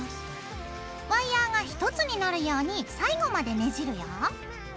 ワイヤーが１つになるように最後までねじるよ。